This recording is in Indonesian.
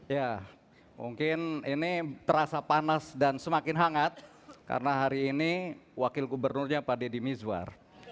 ya mungkin ini terasa panas dan semakin hangat karena hari ini wakil gubernurnya pak deddy mizwar